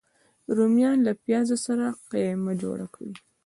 رومیان له پیازو سره قیمه جوړه وي